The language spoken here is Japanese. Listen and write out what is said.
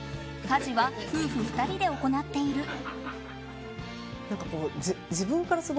家事は夫婦２人で行っている。